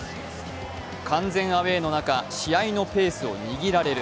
完全アウェーの中、試合のペースを握られる。